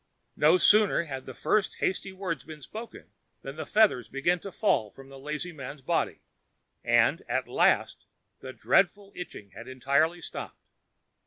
No sooner had the first hasty words been spoken than the feathers began falling from the lazy man's body, and, at last, the dreadful itching had entirely stopped.